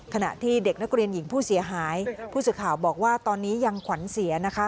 ขณะที่เด็กนักเรียนหญิงผู้เสียหายผู้สื่อข่าวบอกว่าตอนนี้ยังขวัญเสียนะคะ